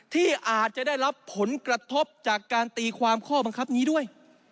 ที่อาจจะได้รับผลกระทบจากการตีความข้อบังคับนี้ด้วย